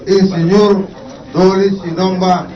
insinyur dori sinomba